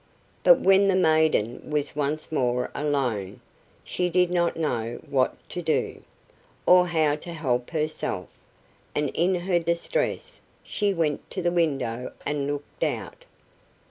But when the maiden was once more alone, she did not know what to do, or how to help herself, and in her distress she went to the window and looked out.